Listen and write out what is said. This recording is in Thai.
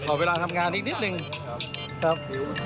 ขอเวลาทำงานนิดหนึ่งครับ